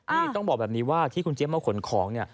นี่ต้องบอกแบบนี้ว่าที่คุณเจี๊ยมาขนของเนี่ย